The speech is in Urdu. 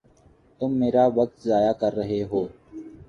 تم میرا وقت ضائع کر رہے ہو